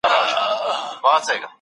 څوک د تقاعد وروسته ژوند اسانوي؟